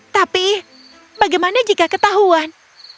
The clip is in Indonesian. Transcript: tapi bagaimana jika ketahuan